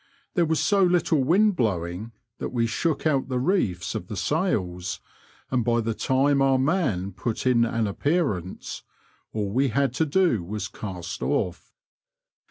There was so little wind blowing that we shook out the reefis of the sails, and by the time our man put in an appearance, all we had to do was to cast off.